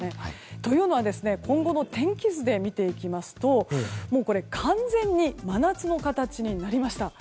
というのは今後の天気図で見ていきますと完全に真夏の形になりました。